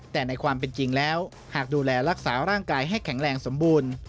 แต่ในความเป็นจริงแล้วหากดูแลรักษาร่างกายให้แข็งแรงสมบูรณ์